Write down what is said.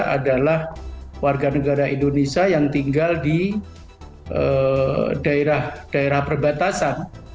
adalah warga negara indonesia yang tinggal di daerah daerah perbatasan